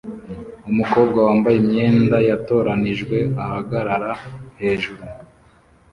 Umukobwa wambaye imyenda yatoranijwe ahagarara hejuru